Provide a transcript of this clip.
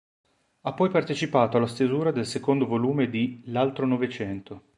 Ha poi partecipato alla stesura del secondo volume di "L'Altronovecento.